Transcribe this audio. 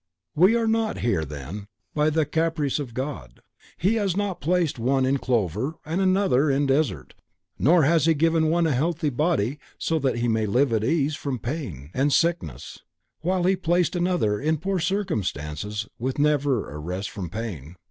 We are not here then, by the caprice of God. He has not placed one in clover and another in a desert nor has He given one a healthy body so that he may live at ease from pain and sickness, while He placed another in poor circumstances with never a rest from pain.